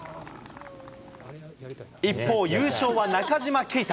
一方、優勝は中島啓太。